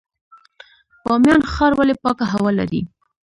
بامیان ښار ولې پاکه هوا لري؟